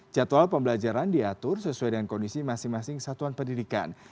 jadwal pembelajaran diatur sesuai dengan kondisi masing masing satuan pendidikan